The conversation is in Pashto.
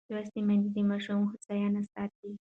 لوستې میندې د ماشوم هوساینه ساتي.